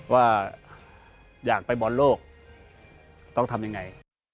ว่าอยากไปบอลโลกต้องทำยังไง